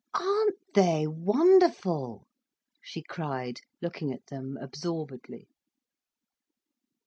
"Aren't they wonderful?" she cried, looking at them absorbedly.